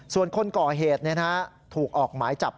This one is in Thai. ส่วนคนก่อเหตุถูกออกหมายจับ